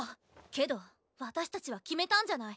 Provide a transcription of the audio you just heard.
けど私たちは決めたんじゃない。